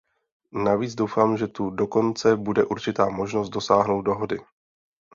Navíc doufám, že tu dokonce bude určitá možnost dosáhnout dohody.